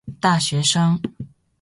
大学生